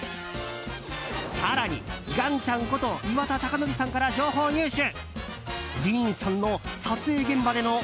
更に、岩ちゃんこと岩田剛典さんから情報入手。